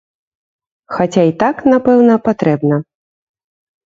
Хаця і так, напэўна, патрэбна.